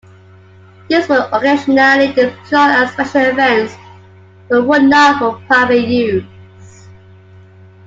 These were occasionally deployed at special events but were not for private use.